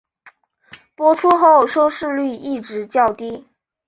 播出后收视率一直较低。